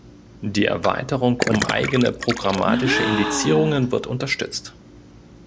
Die Erweiterung um eigene programmatische Indizierungen wird unterstützt.